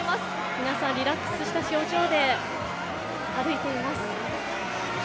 皆さんリラックスした表情で歩いています。